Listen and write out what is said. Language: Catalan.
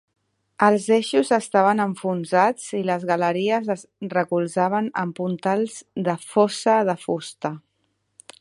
Els eixos estaven enfonsats i les galeries es recolzaven amb puntals de fossa de fusta.